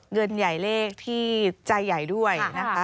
เงินใหญ่เลขที่ใจใหญ่ด้วยนะคะ